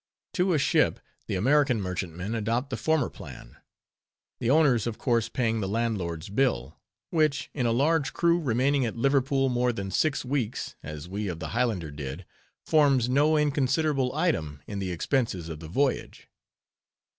To a ship, the American merchantmen adopt the former plan; the owners, of course, paying the landlord's bill; which, in a large crew remaining at Liverpool more than six weeks, as we of the Highlander did, forms no inconsiderable item in the expenses of the voyage.